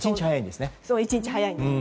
１日早いんですね。